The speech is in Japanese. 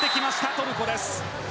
トルコです。